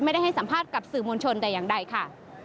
ให้สัมภาษณ์กับสื่อมวลชนแต่อย่างใดค่ะ